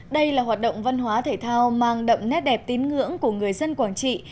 đây là hoạt động văn hóa thể thao mang đậm nét đẹp tín ngưỡng của người dân quảng trị